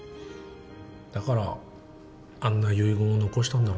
だからあんな遺言を残したんだろうなぁ。